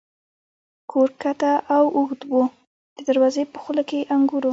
کور کښته او اوږد و، د دروازې په خوله کې د انګورو.